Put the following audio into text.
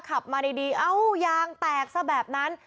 ขับมาดีเอ้ายางแตกซะแบบนั้น